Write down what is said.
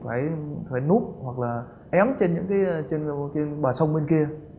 thì cũng phải núp hoặc là ém trên những cái bờ sông bên kia